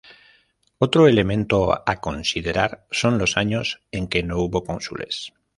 Otro elemento a considerar son los años en que no hubo cónsules.